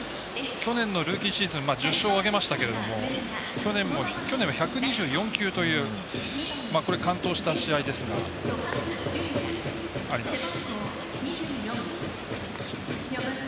去年のルーキーシーズン１０勝を挙げましたが去年は１２４球という完投した試合ですが、あります。